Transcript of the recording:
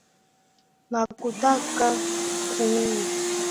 na kutaka kujua zaidi kuhusu siri ya miujiza hiyo na ujumbe kutoka kwa Mungu